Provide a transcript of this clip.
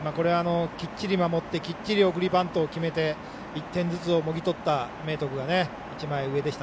きっちり守ってきっちり送りバントで１点ずつもぎ取った明徳が一枚上でした。